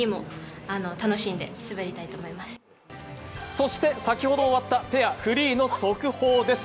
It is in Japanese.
そして先ほど終わったペア・フリーの速報です。